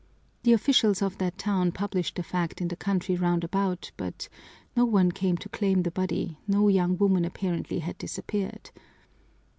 The officials of that town published the fact in the country round about, but no one came to claim the body, no young woman apparently had disappeared.